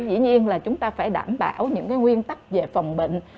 dĩ nhiên là chúng ta phải đảm bảo những nguyên tắc về phòng bệnh